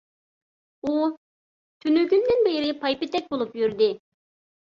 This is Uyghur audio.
ئۇ تۈنۈگۈندىن بېرى پايپېتەك بولۇپ يۈردى.